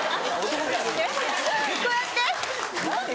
こうやって？